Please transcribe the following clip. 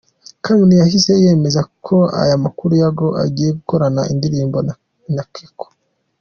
com ntiyahise yemeza aya makuru y’uko agiye gukorana indirimbo na Keko .